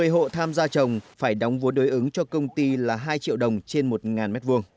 một mươi hộ tham gia trồng phải đóng vốn đối ứng cho công ty là hai triệu đồng trên một m hai